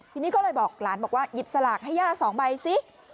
ทีนี้ก็เลยบอกหลานบอกว่าหยิบสลากให้ย่า๒ใบสิ